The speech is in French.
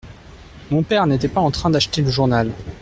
Mon père n’était pas en train d’acheter le journal.